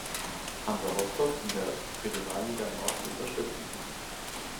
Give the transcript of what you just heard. Hansa Rostock in der Regionalliga Nord zu unterstützen.